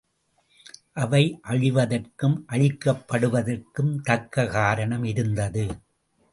அவை அழிவதற்கும் அழிக்கப்படுவதற்கும் தக்க காரணம் இருந்தது.